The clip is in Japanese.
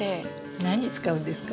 何に使うんですか？